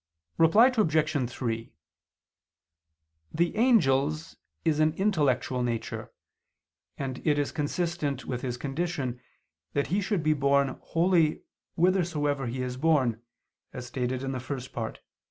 Reply Obj. 3: The angel's is an intellectual nature, and it is consistent with his condition that he should be borne wholly whithersoever he is borne, as stated in the First Part (Q.